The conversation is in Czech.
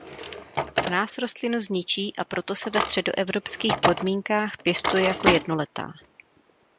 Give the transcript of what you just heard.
Mráz rostlinu zničí a proto se ve středoevropských podmínkách pěstuje jako jednoletá.